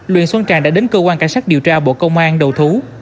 luyện xuân tràn đã đến cơ quan cảnh sát điều tra bộ công an đầu thú